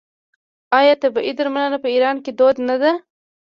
آیا طبیعي درملنه په ایران کې دود نه ده؟